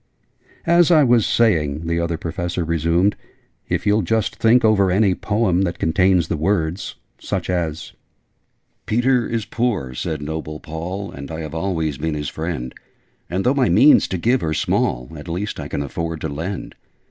"As I was saying," the other Professor resumed, "if you'll just think over any Poem, that contains the words such as, 'Peter is poor,' said noble Paul, 'And I have always been his friend: And, though my means to give are small, At least I can afford to lend.